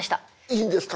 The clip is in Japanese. いいんですか？